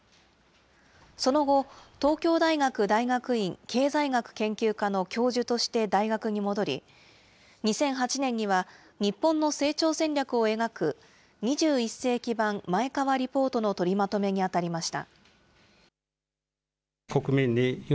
その後、東京大学大学院経済学研究科の教授として大学に戻り、２００８年には日本の成長戦略を描く、２１世紀版前川リポートの取りまとめに当たりました。